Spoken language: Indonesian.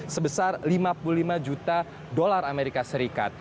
sebesar lima puluh lima juta dolar amerika serikat